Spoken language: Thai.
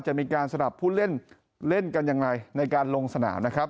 จะมีการสนับผู้เล่นเล่นกันอย่างไรในการลงสนาม